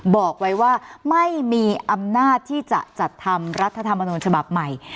บอกไว้ว่าไม่มีอำนาจที่จะจัดทำรัฐธรรมนูญฉบับใหม่